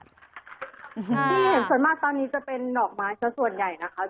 ที่ส่วนมากตอนนี้จะเป็นดอกไม้สักส่วนใหญ่นะคะ